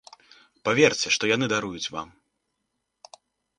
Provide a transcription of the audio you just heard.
Паверце, што яны даруюць вам.